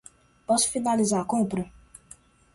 Posso finalizar a compra?